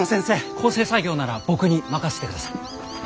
校正作業なら僕に任せてください。